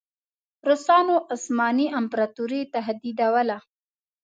روسانو عثماني امپراطوري تهدیدوله.